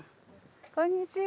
こんにちは。